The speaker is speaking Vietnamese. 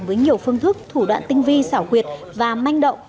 với nhiều phương thức thủ đoạn tinh vi xảo quyệt và manh động